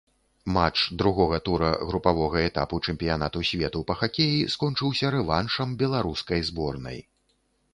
Матч другога тура групавога этапу чэмпіянату свету па хакеі скончыўся рэваншам беларускай зборнай.